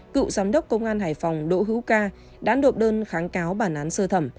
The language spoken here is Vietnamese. cựu giám đốc công an hải phòng đỗ hữu ca đã nộp đơn kháng cáo bản án sơ thẩm